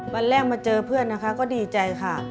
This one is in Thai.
วันแรกมาเจอเพื่อนนะคะก็ดีใจค่ะ